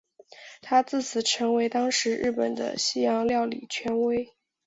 他自此成为当时日本的西洋料理权威。